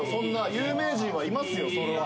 有名人はいますよそれは。